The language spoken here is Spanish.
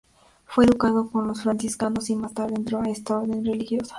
Fue educado con los franciscanos y, más tarde, entró en esta orden religiosa.